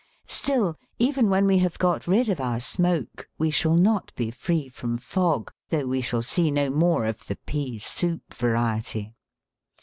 Still, even when we have got rid ot our smoke, we shall not be free from fog, though we shall see no more of the "pea soup" variety.